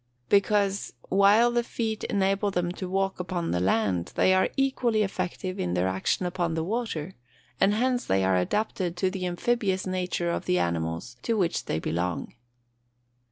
_ Because, while the feet enable them to walk upon the land, they are equally effective in their action upon the water, and hence they are adapted to the amphibious nature of the animals to which they belong.